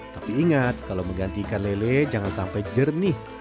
tapi ingat kalau mengganti ikan lele jangan sampai jernih